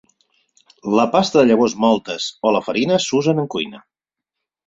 La pasta de llavors mòltes o la farina s'usen en cuina.